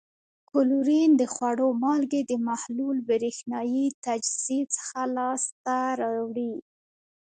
کلورین د خوړو مالګې د محلول برېښنايي تجزیې څخه لاس ته راوړي.